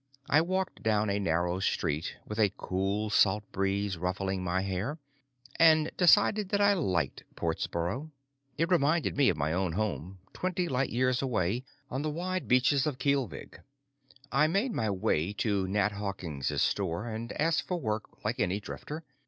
I walked down a narrow street with a cool salt breeze ruffling my hair and decided that I liked Portsboro. It reminded me of my own home, twenty light years away on the wide beaches of Kealvigh. I made my way to Nat Hawkins' store and asked for work like any drifter.